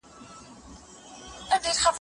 صنعتي پروژي د جګړي له امله ودرول سوي.